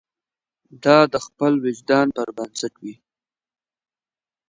دا د خپل وجدان پر بنسټ وي.